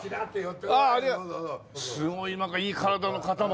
すごいなんかいい体の方も。